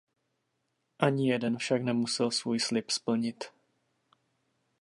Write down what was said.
Ani jeden však nemusel svůj slib splnit.